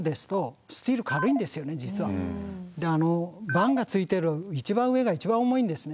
板がついてる一番上が一番重いんですね。